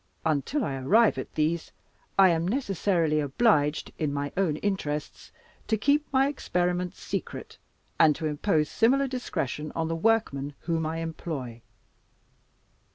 Until I arrive at these, I am necessarily obliged, in my own interests, to keep my experiments secret, and to impose similar discretion on the workmen whom I employ.